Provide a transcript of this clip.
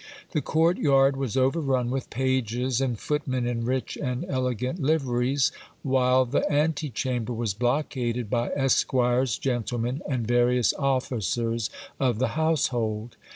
The court yard was overrun with pages and footmen in rich and elegant liveries, while the ante chamber was blockaded by esquires, gentlemen, and various officers of the household.